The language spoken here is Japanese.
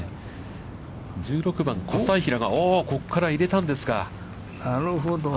１６番、小斉平がおお、ここから入れたんですか。